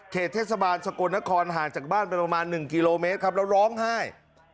เทศบาลสกลนครห่างจากบ้านไปประมาณ๑กิโลเมตรครับแล้วร้องไห้